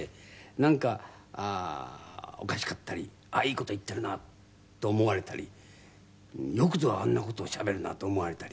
なんかおかしかったりあっいい事言っているなと思われたりよくぞあんな事をしゃべるなと思われたり。